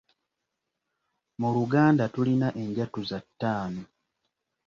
Mu Luganda tulina enjatuza ttaano.